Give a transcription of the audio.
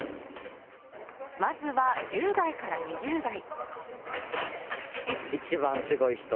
まずは１０代から２０代。